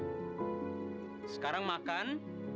hai sekarang makan